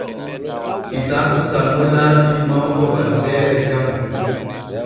Isaaku sammo laati mawɗo waldeere jamu.